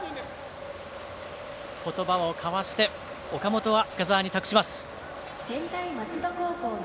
言葉を交わして岡本は深沢に託します。